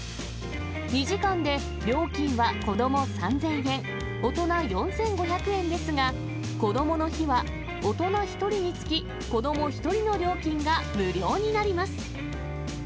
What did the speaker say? ２時間で料金は子ども３０００円、大人４５００円ですが、こどもの日は大人１人につき、子ども１人の料金が無料になります。